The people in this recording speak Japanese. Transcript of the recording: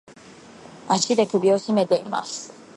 足で首をしめています。